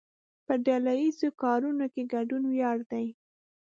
په ډله ایزو کارونو کې ګډون ویاړ دی.